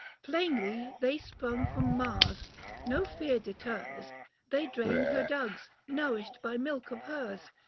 — Plainly they sprung from Mars ; no fear deters ; They drain her dugs, nourished by milk of hers.